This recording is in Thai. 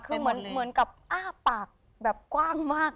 คือเหมือนกับอ้าปากแบบกว้างมาก